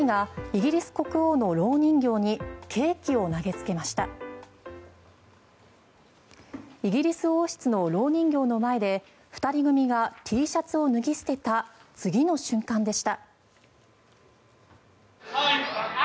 イギリス王室のろう人形の前で２人組がＴシャツを脱ぎ捨てた次の瞬間でした。